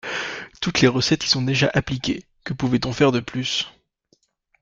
Toutes les recettes y sont déjà appliquées, que pouvait-on faire de plus?